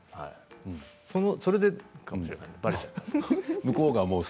それかもしれないです。